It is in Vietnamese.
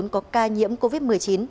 có ca nhiễm covid một mươi chín